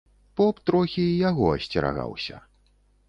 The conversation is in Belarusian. Поп трохі і яго асцерагаўся.